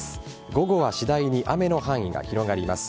午後は次第に雨の範囲が広がります。